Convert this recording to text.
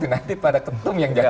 nanti pada kentum yang jawab